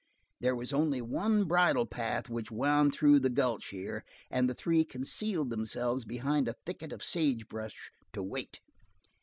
There was only one bridle path which wound through the gulch here, and the three concealed themselves behind a thicket of sagebrush to wait.